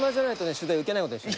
取材受けないことにしてる。